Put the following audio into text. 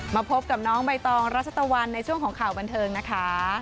มาพบกับน้องใบตองรัชตะวันในช่วงของข่าวบันเทิงนะคะ